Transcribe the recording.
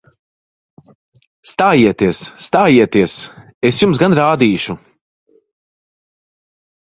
Stājieties! Stājieties! Es jums gan rādīšu!